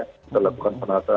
kita lakukan penata